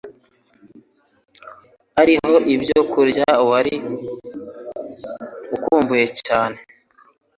ariho ibyo kurya wari ukumbuye cyane.